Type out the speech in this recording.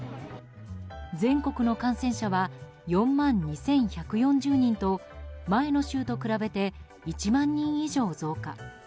全国の感染者は４万２１４０人と前の週と比べて１万人以上増加。